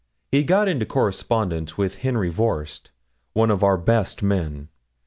He got into correspondence with Henry Voerst, one of our best men.